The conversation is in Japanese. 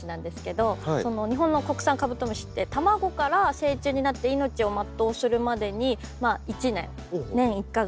日本の国産カブトムシって卵から成虫になって命を全うするまでに一年。